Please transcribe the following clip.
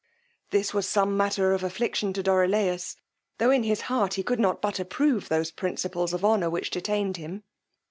This was some matter of affliction to Dorilaus, tho' in his heart he could not but approve those principles of honour which detained him.